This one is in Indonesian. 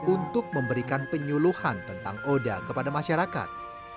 untuk memberikan penyuluhan tentang oda kepada masyarakat